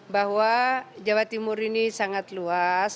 bahwa jawa timur ini sangat luas